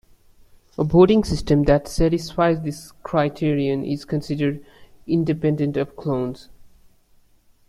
A voting system that satisfies this criterion is considered "independent of clones".